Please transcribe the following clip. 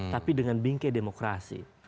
tapi dengan bingkai demokrasi